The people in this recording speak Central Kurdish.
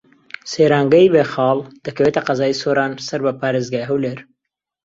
سەیرانگەی بێخاڵ دەکەوێتە قەزای سۆران سەر بە پارێزگای هەولێر.